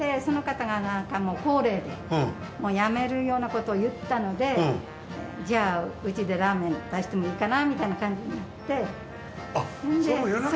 その方なんかも高齢で辞めるようなことを言ったのでじゃあうちでラーメン出してもいいかなみたいな感じで。